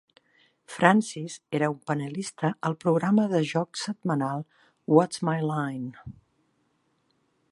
Francis era una panelista al programa de joc setmanal What's My Line?